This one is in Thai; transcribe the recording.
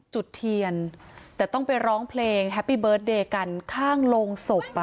จุดเทียนแต่ต้องไปร้องเพลงแฮปปี้เบิร์ตเดย์กันข้างโรงศพ